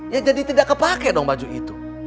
ya jadi tidak kepake dong baju itu